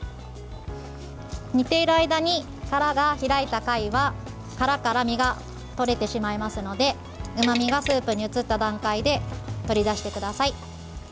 煮ている間に殻が開いた貝は殻から身が取れてしまいますのでうまみがスープに移った段階で取り出してください。